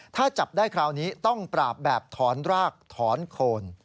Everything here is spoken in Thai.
ถ้าจับได้คราวนี้ต้องปราบแบบถอนรากถอนโคน